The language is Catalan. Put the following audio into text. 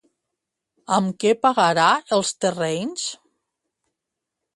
Amb què pagarà els terrenys?